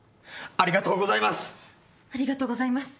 ありがとうございます。